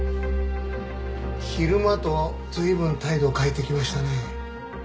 昼間とは随分態度を変えてきましたね。